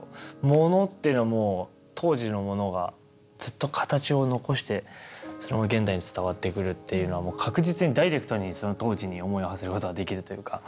物っていうのも当時のものがずっと形を残してそれが現代に伝わってくるっていうのはもう確実にダイレクトにその当時に思いをはせることができるというか。